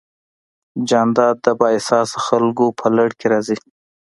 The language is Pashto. جانداد د بااحساسه خلکو په لړ کې راځي.